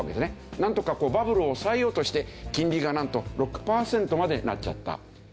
なんとかバブルを抑えようとして金利がなんと６パーセントまでなっちゃった。